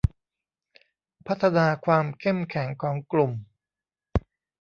พัฒนาความเข้มแข็งของกลุ่ม